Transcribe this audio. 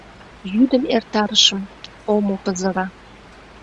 Йӱдым эртарышым, омо пызыра.